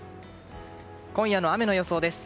今夜の雨の予想です。